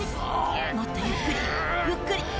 もっとゆっくりゆっくり。